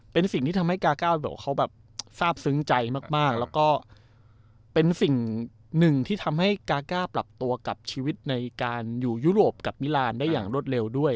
เป็นสิ่งที่ทำให้กาก้าแบบว่าเขาแบบทราบซึ้งใจมากแล้วก็เป็นสิ่งหนึ่งที่ทำให้กาก้าปรับตัวกับชีวิตในการอยู่ยุโรปกับมิลานได้อย่างรวดเร็วด้วย